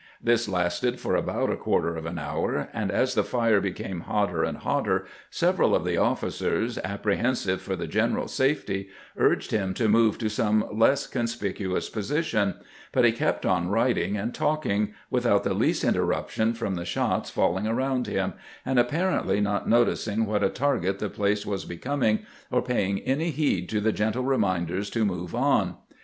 This lasted for about a quarter of an hour, and as the fire became hotter and hotter, several of the officers, apprehensive for the general's safety, urged him to move to some less conspicuous position ; but he kept on writing and talk ing, without the least interriiption from the shots fall ing around him, and apparently not noticing what a target the place was becoming, or paying any heed to the gentle reminders to " move on."